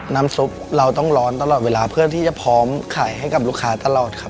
น้ำซุปเราต้องร้อนตลอดเวลาเพื่อที่จะพร้อมขายให้กับลูกค้าตลอดครับ